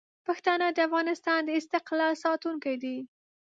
پښتانه د افغانستان د استقلال ساتونکي دي.